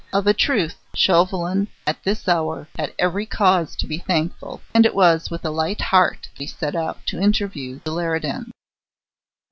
Of a truth Chauvelin at this hour had every cause to be thankful, and it was with a light heart that he set out to interview the Leridans.